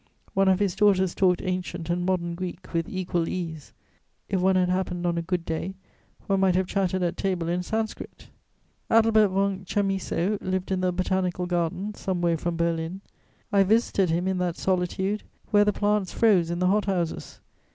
One of his daughters talked ancient and modern Greek with equal ease; if one had happened on a good day, one might have chatted at table in Sanskrit. Adelbert von Chamisso lived in the Botanical Gardens, some way from Berlin. I visited him in that solitude, where the plants froze in the hot houses.